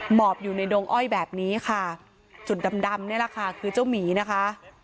หมอบอยู่ในดงอ้อยแบบนี้ค่ะจุดดำดำนี่แหละค่ะคือเจ้าหมีนะคะ